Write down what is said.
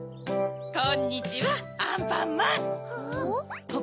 こんにちはアンパンマン。